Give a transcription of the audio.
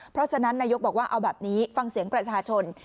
เพราะฉะนั้นนายกบอกว่าเอาแบบนี้ฟังเสียงประชาชน